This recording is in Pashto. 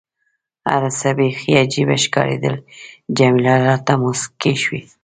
هر څه بیخي عجيبه ښکارېدل، جميله راته موسکۍ شوه.